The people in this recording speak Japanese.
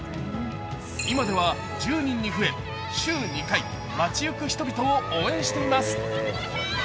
今では１０人に増え、週２回、街行く人々を応援しています。